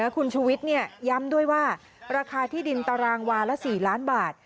คุณชูวิทย้ำด้วยว่าราคาที่ดินตารางวาละ๔ล้านบาท